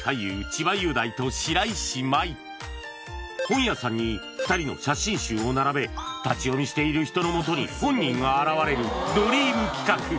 千葉雄大と白石麻衣本屋さんに２人の写真集を並べ立ち読みしている人のもとに本人が現れるドリーム企画